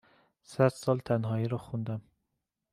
صد سال تنهایی رو خوندم